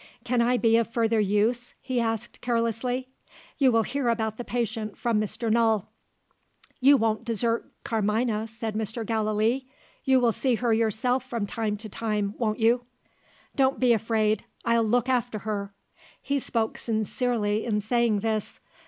"Can I be of further use?" he asked carelessly. "You will hear about the patient from Mr. Null." "You won't desert Carmina?" said Mr. Gallilee. "You will see her yourself, from time to time won't you?" "Don't be afraid; I'll look after her." He spoke sincerely in saying this.